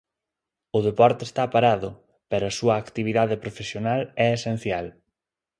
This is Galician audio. O deporte está parado, pero a súa actividade profesional é esencial.